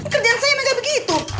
kerjaan saya memang gak begitu